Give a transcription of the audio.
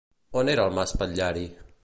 On era el mas Patllari?